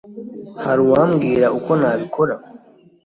hari uwambwira uko nabikora